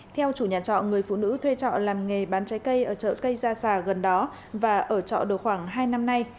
theo chủ nhà trọ người phụ nữ thuê trọ làm nghề bán trái cây ở chợ cây gia gần đó và ở trọ được khoảng hai năm nay